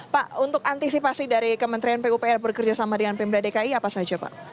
pak untuk antisipasi dari kementerian pupr bekerja sama dengan pmd dki apa saja pak